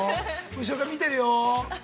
後ろから見てるよ。